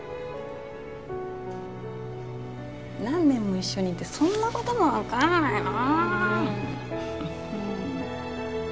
何年も一緒にいてそんな事もわからないの？